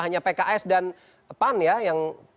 hanya pks dan pan ya yang